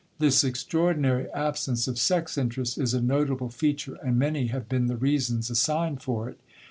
This extraordinary absence of sex interest is a notable feature, and many have been the reasons assigned for it.